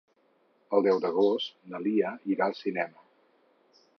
El deu d'agost na Lia irà al cinema.